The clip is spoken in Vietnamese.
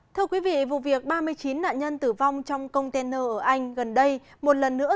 thưa quý vị vụ việc ba mươi chín nạn nhân tử vong trong container ở anh gần đây một lần nữa